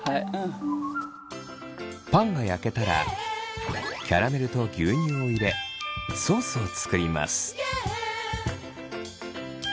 パンが焼けたらキャラメルと牛乳を入れソースを作ります。